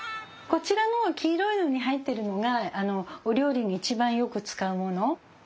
こちらの黄色いのに入ってるのがお料理に一番よく使うもの